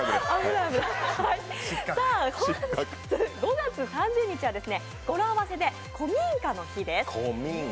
本日５月３０日は語呂合わせで古民家の日です。